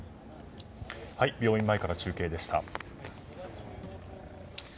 病院前から中継でした。